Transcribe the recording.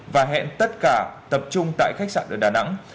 và hẹn tất cả tập trung tại khách sạn ở đà nẵng